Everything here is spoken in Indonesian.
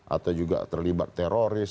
atau juga terlibat teroris